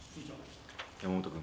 山本君。